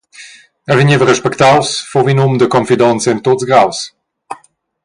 El vegneva respectaus, fuva in um da confidonza en tuts graus.